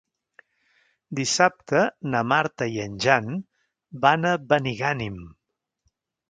Dissabte na Marta i en Jan van a Benigànim.